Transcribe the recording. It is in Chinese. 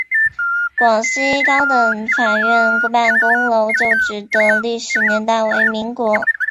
广西高等法院办公楼旧址的历史年代为民国。